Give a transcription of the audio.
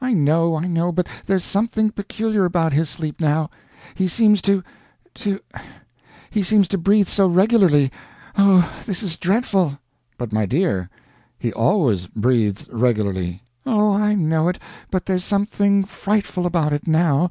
"I know. I know; but there's something peculiar about his sleep now. He seems to to he seems to breathe so regularly. Oh, this is dreadful." "But, my dear, he always breathes regularly." "Oh, I know it, but there's something frightful about it now.